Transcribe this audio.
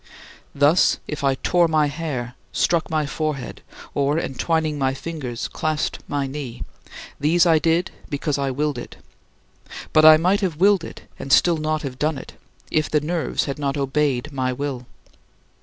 Thus if I tore my hair, struck my forehead, or, entwining my fingers, clasped my knee, these I did because I willed it. But I might have willed it and still not have done it, if the nerves had not obeyed my will.